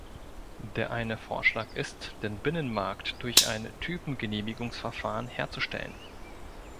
Der eine Vorschlag ist, den Binnenmarkt durch ein Typengenehmigungsverfahren herzustellen.